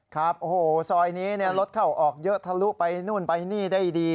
ครับโอ้โหซอยนี้รถเข้าออกเยอะทะลุไปนู่นไปนี่ได้ดี